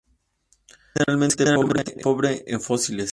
Es generalmente pobre en fósiles.